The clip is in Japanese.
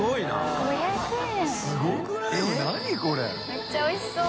めっちゃおいしそう。